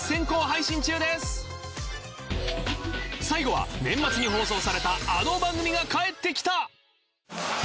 最後は年末に放送されたあの番組が帰ってきた！